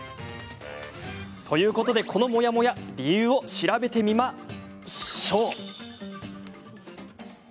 ということで、このモヤモヤ理由を調べてみましょう。